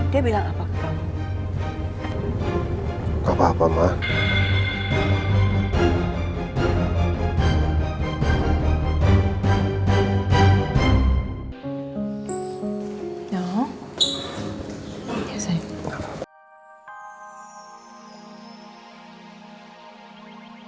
dia bilang apa ke kamu